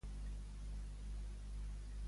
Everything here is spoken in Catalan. Què li ha provocat l'esplendidesa?